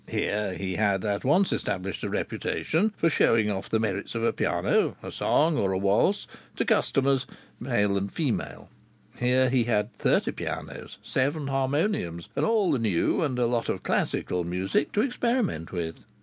Here he had at once established a reputation for showing off the merits of a piano, a song, or a waltz, to customers male and female. Here he had thirty pianos, seven harmoniums, and all the new and a lot of classical music to experiment with.